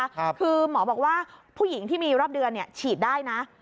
คือหมอบอกว่าผู้หญิงที่มีรอบเดือนเนี่ยฉีดได้นะ